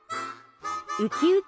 ウキウキ！